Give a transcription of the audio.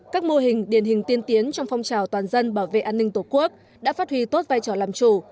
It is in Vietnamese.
các mô hình điển hình tiên tiến trong phong trào toàn dân bảo vệ an ninh tổ quốc đã phát huy tốt vai trò làm chủ